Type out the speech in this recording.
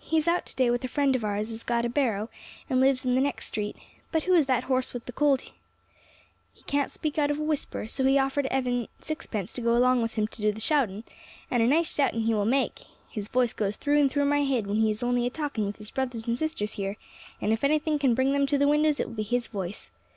He is out to day with a friend of ours as 'as got a barrow, and lives in the next street, but who is that hoarse with the cold that he can't speak out of a whisper; so he offered Evan sixpence to go along with him to do the shouting, and a nice shouting he will make; his voice goes through and through my head when he is only a talking with his brothers and sisters here, and if anything can bring them to the windows it will be his voice.